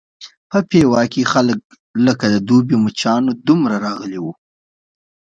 په پېوه کې خلک لکه د دوبي مچانو دومره راغلي وو.